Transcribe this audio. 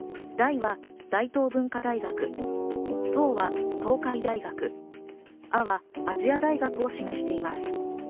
大は大東文化大学、東は東海大学、亜は亜細亜大学を示しています。